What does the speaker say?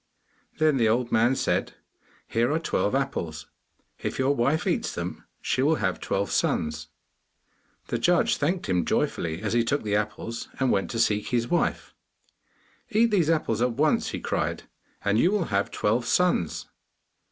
Then the old man said, 'Here are twelve apples. If your wife eats them, she will have twelve sons.' The judge thanked him joyfully as he took the apples, and went to seek his wife. 'Eat these apples at once,' he cried, 'and you will have twelve sons.